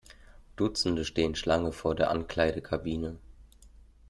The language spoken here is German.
Dutzende stehen Schlange vor der Ankleidekabine.